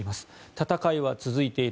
戦いは続いている。